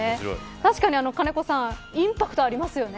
確かに金子さんインパクトありますよね。